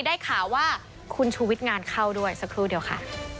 ได้ข่าวว่าคุณชูวิทย์งานเข้าด้วยสักครู่เดียวค่ะ